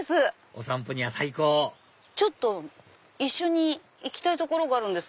お散歩には最高一緒に行きたい所があるんです。